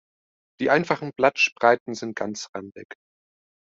Die einfachen Blattspreiten sind ganzrandig.